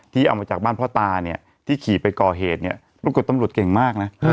เอามาจากบ้านพ่อตาเนี่ยที่ขี่ไปก่อเหตุเนี่ยปรากฏตำรวจเก่งมากนะ